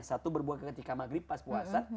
satu berbuat ketika maghrib pas puasa